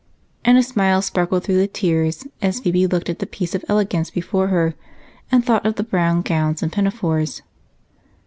And a smile sparkled through the tears as Phebe looked at the piece of elegance before her and thought of the brown gowns and pinafores.